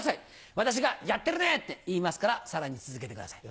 私が「やってるね！」って言いますからさらに続けてください。